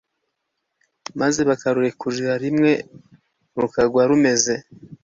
maze bakarurekurira rimwe rukagwa rumeze